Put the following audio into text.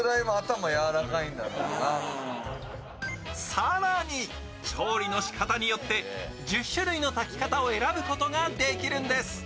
更に、調理のしかたによって１０種類の炊き方を選ぶことができるんです。